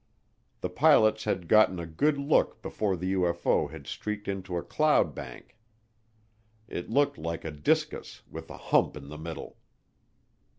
The pilots had gotten a good look before the UFO had streaked into a cloud bank. It looked like a discus with a hump in the middle.